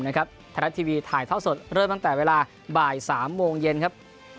ไทยรัฐทีวีถ่ายท่อสดเริ่มตั้งแต่เวลาบ่าย๓โมงเย็นครับ